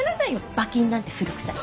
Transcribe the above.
馬琴なんて古くさい。